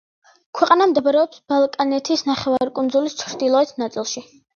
ქვეყანა მდებარეობს ბალკანეთის ნახევარკუნძულის ჩრდილოეთ ნაწილში.